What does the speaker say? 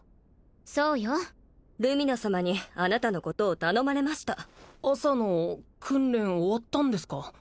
そうよルミナ様にあなたのことを頼まれました朝の訓練終わったんですか？